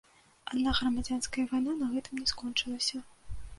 Аднак грамадзянская вайна на гэтым не скончылася.